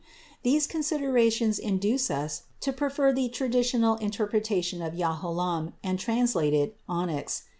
These considerations induce us to prefer the traditional interpretation of yahalom, and translate it "onyx."